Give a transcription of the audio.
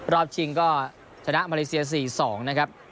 ชิงก็ชนะมาเลเซีย๔๒นะครับ